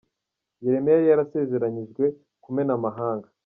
Yeremiya yari yarasezeranyijwe kumena amahanga